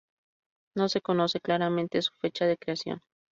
No se conoce claramente su fecha de creación.